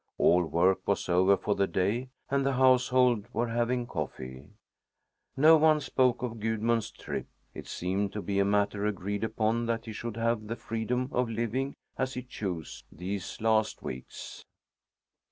All work was over for the day, and the household were having coffee. No one spoke of Gudmund's trip. It seemed to be a matter agreed upon that he should have the freedom of living as he chose these last weeks.